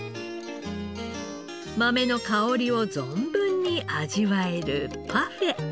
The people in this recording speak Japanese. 豆の香りを存分に味わえるパフェ。